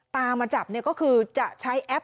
ตามมาจับเนี่ยก็คือจะใช้แอป